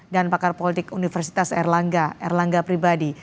dan pakar politik universitas erlangga erlangga pribadi